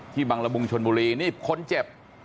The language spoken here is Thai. บังละมุงชนบุรีนี่คนเจ็บ